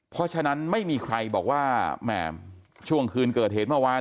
เพราะฉะนั้นไม่มีใครบอกว่าแหม่ช่วงคืนเกิดเหตุเมื่อวาน